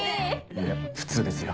いや普通ですよ。